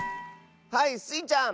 はいスイちゃん！